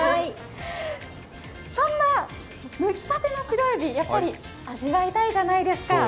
そんなむきたてのシロエビ、やっぱり味わいたいじゃないですか。